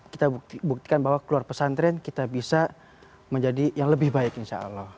kita buktikan bahwa keluar pesantren kita bisa menjadi yang lebih baik insya allah